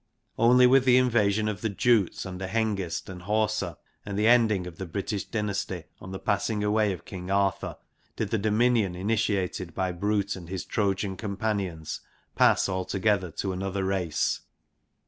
Only with the invasion of the Jutes under Hengist and Horsa, and the ending of the British dynasty on the passing away of King Arthur, did the dominion initiated by Brute and his Trojan companions pass altogether to another race.